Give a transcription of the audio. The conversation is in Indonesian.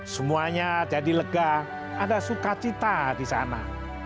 semuanya jadi lega ada sukacita di sana